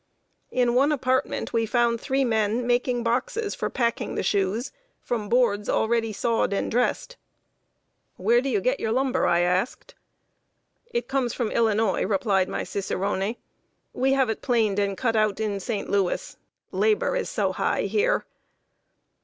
In one apartment we found three men making boxes for packing the shoes, from boards already sawed and dressed. "Where do you get your lumber?" I asked. "It comes from Illinois," replied my cicerone. "We have it planed and cut out in St. Louis labor is so high here."